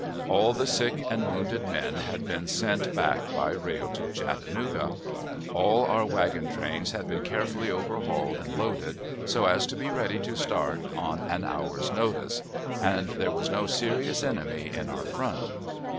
All the sick and wounded men had been sent back by rail to Chattanooga; all our wagon trains had been carefully overhauled and loaded, so as to be ready to start on an hour's notice, and there was no serious enemy in our front.